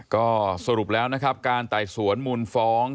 ก็สรุปแล้วนะครับการไต่สวนมูลฟ้อง